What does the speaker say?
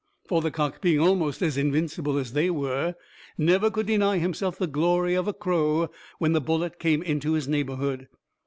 For the cock, being almost as invincible as they were, never could deny himself the glory of a crow when the bullet came into his neighborhood.